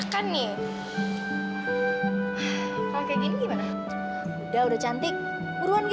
kalau pertemuan kamu ke jalan dengan lancar